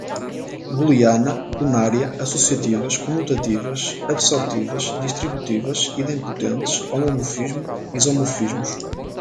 booleana, unária, associativas, comutativas, absortivas, distributivas, idempotentes, homomorfismo, isomorfismos